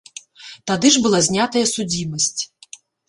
Тады ж была знятая судзімасць.